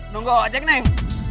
nunggu ojek neng